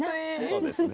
そうですね。